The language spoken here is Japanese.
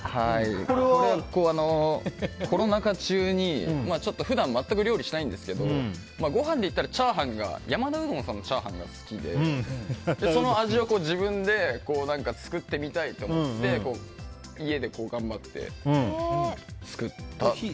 これは、コロナ禍中に普段、全く料理しないんですけどご飯でいったら山田うどんさんのチャーハンが好きでその味を自分で作ってみたいと思って家で頑張って作りました。